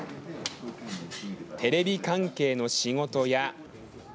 テレビ関係の仕事や。